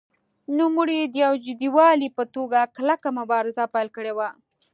نوموړي د یو جدي والي په توګه کلکه مبارزه پیل کړې وه.